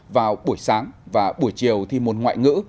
vào buổi sáng và buổi chiều thi môn ngoại ngữ